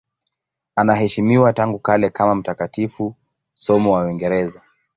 Anaheshimiwa tangu kale kama mtakatifu, somo wa Uingereza.